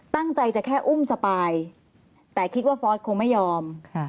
ตั้งใจจะแค่อุ้มสปายแต่คิดว่าฟอร์สคงไม่ยอม